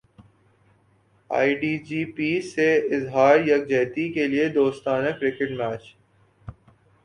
ائی D Ps سے اظہار یک جہتی کیلئے دوستانہ کرکٹ میچ